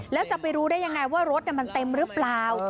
แล้วจะไปรู้ได้ยังไงว่ารถมันเต็มหรือเปล่า